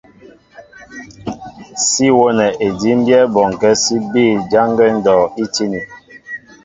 Sí wónɛ edímbyɛ́ bɔŋkɛ́ sí bîy jǎn gwɛ́ ndɔ' í tíní.